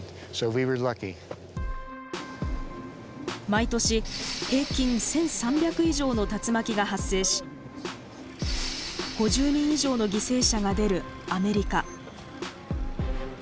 毎年平均１，３００以上の竜巻が発生し５０人以上の犠牲者が出るアメリカ。